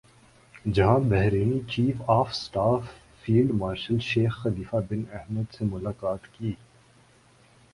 جہاں Bahraini chief of staff field marshal Sheikh Khalifa bin Ahmed سے ملاقات کی